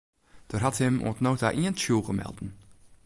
Der hat him oant no ta ien tsjûge melden.